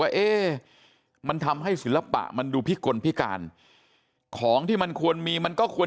ว่าเอ๊ะมันทำให้ศิลปะมันดูพิกลพิการของที่มันควรมีมันก็ควร